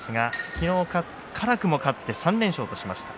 昨日、辛くも勝って３連勝としました。